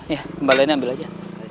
ya kembalain ambil aja